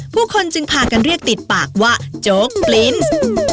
ผู้คนจึงพากันเรียกติดปากว่าโจ๊กปลิ้น